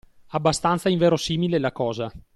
Abbastanza inverosimile la cosa